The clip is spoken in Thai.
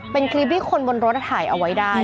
เป็นคลิปที่คนบนรถถ่ายเอาไว้ได้